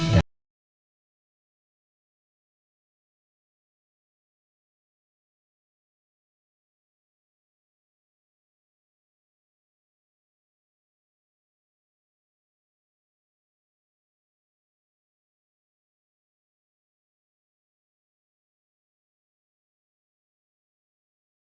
saat watak yang menwertai